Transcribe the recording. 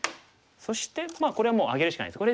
そしてまあこれはもうあげるしかないです。